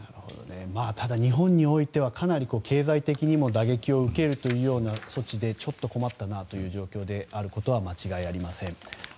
ただ、日本としてはかなり経済的にも打撃を受けるのでちょっと困ったなという状況であることは間違いありません。